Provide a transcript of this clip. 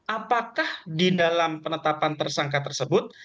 apakah di dalam penetapan tersangka tersebut